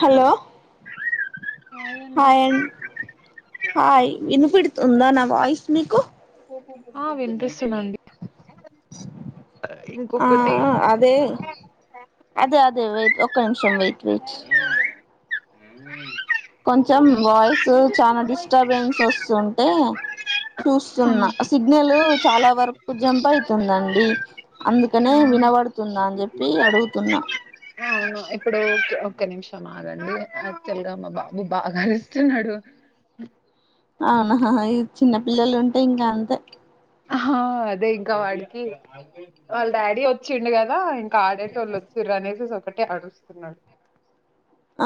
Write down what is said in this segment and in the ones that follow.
Hello. Hi and hi విన్నపడుతుందా నా. Voice మీకు. ఆ వినిపిస్తుందండి ఇంకొకటి ఆహ్ అదే అదే అ. వెయిట్ ఒక్క నిమిషం వెయిట్ వెయిట్. హ్మ్మ్. కొంచెం వాయిసు. చానా డిస్టర్బన్స్ వస్తుంటే చూస్తున్న సిగ్నలు. చాలా వరకు జంప్ అయితుంది అండి. అందుకనే వినబడుతుందా అని చెప్పి అడుగుతున్నా. ఆహ్. ఒక నిమిషం ఆగండి యాక్చవల్గా మా బాబు బాగా అరుస్తున్నాడు. అవునా అ హ ఈ చిన్న పిల్లలుంటే ఇంక అంతే హ హ అదే ఇంకా వాడికి వాళ్ళ డాడీ వచ్చిండు కదా కాడేటోలొచ్చింరనెసేసి ఒక్కటే అరుస్తున్నడు.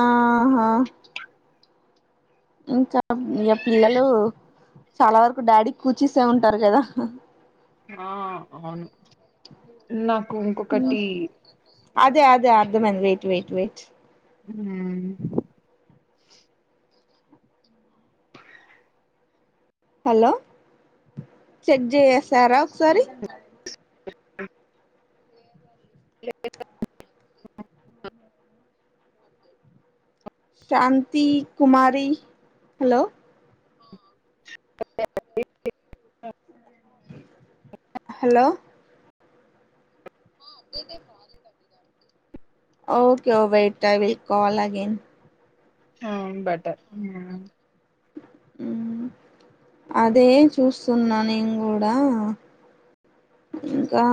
ఆహా. ఇంకా ఇగ పిల్లలు. చాలా వరకు డాడీ కూచీసె ఉంటారు కదా అ ఆ అవ్ను. మ్ అదే అదే అర్ధమైంది వేయి వెయిట్ వేట్ హ్మ్ హలో చెక్ జేసారా ఒక్సారి [inaudible] [unintelligible] శాంతీ కుమారి హలో! [inaudible] హలో! ఆ అప్డేటే కాలేదండి. ఓకే ఒ wait I will call again um butter మ్ మ్ అదే చూస్తున్నా నేన్గూడ ఇంకా